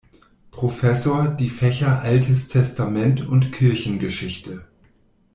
Professor“ die Fächer Altes Testament und Kirchengeschichte.